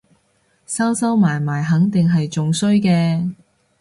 收收埋埋肯定係仲衰嘅